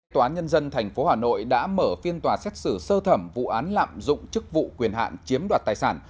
tòa nhân dân tp hà nội đã mở phiên tòa xét xử sơ thẩm vụ án lạm dụng chức vụ quyền hạn chiếm đoạt tài sản